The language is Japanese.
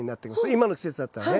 今の季節だったらね。